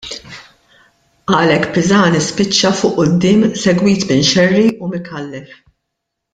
Għalhekk Pisani spiċċa fuq quddiem segwit minn Scerri u Micallef.